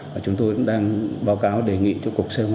và chúng tôi đang báo cáo đề nghị cho cục sê hai